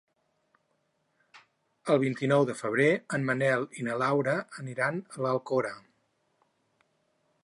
El vint-i-nou de febrer en Manel i na Laura aniran a l'Alcora.